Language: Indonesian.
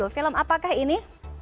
film apakah ini